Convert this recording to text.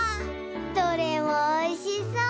どれもおいしそう！